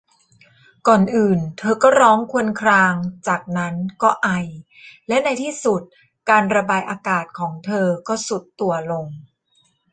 ก่อนอื่นเธอก็ร้องครวญครางจากนั้นก็ไอและในที่สุดการระบายอากาศของเธอก็ทรุดตัวลง